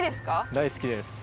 大好きです。